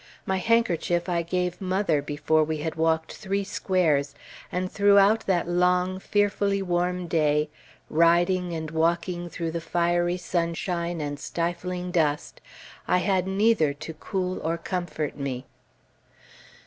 My handkerchief I gave mother before we had walked three squares, and throughout that long fearfully warm day, riding and walking through the fiery sunshine and stifling dust, I had neither to cool or comfort me.